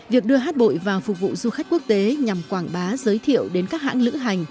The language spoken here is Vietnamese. việc đưa hát bội vào phục vụ du khách quốc tế nhằm quảng bá giới thiệu đến các hãng lữ hành